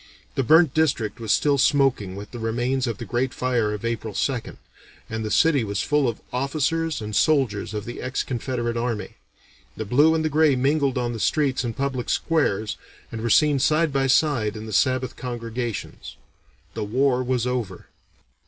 "The burnt district was still smoking with the remains of the great fire of April 2nd, and the city was full of officers and soldiers of the ex Confederate army. The blue and the gray mingled on the streets and public squares, and were seen side by side in the Sabbath congregations. The war was over."